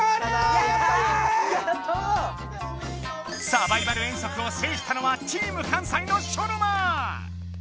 サバイバル遠足をせいしたのはチーム関西のショノマ！